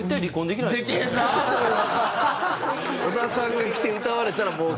小田さんが来て歌われたらもう。